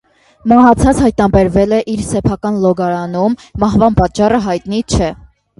Մահացած հայտնաբերվել է իր սեփական լոգարանում, մահվան պատճառը հայտնի չէ։